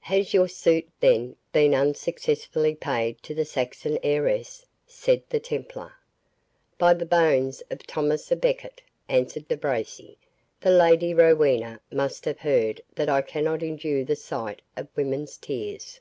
"Has your suit, then, been unsuccessfully paid to the Saxon heiress?" said the Templar. "By the bones of Thomas a Becket," answered De Bracy, "the Lady Rowena must have heard that I cannot endure the sight of women's tears."